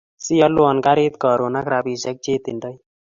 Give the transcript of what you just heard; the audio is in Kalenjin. Siyalwan karit karun ak rapishek chetindoi